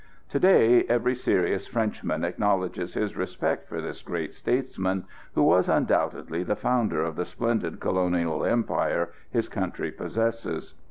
To day every serious Frenchman acknowledges his respect for this great statesman, who was undoubtedly the founder of the splendid Colonial Empire his country possesses.